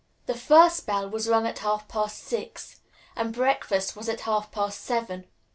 The first bell was rung at half past six, and breakfast was at half past seven.